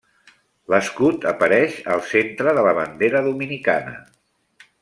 L'escut apareix al centre de la bandera dominicana.